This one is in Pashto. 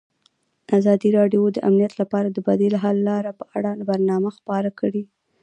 ازادي راډیو د امنیت لپاره د بدیل حل لارې په اړه برنامه خپاره کړې.